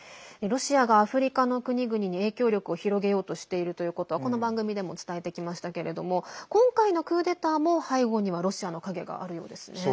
ロシアがアフリカの国々に影響力を広げようとしているということはこの番組でも伝えてきましたけれども今回のクーデターも背後にはロシアの影があるようですね。